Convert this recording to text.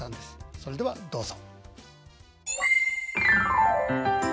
それではどうぞ。